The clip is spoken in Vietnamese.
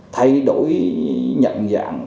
thay đổi nhận dạng